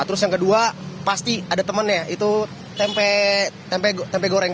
terus yang kedua pasti ada temennya itu tempe goreng